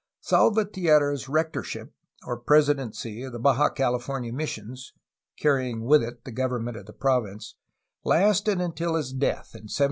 Salvatierra's rectorship, or presidency, of the Baja Cali fornia missions (carrying with it the government of the province) lasted until his death, in 1717.